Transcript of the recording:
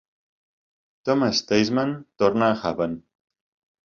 Thomas Theisman torna a Haven.